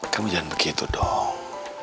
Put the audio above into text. kamu jangan begitu dong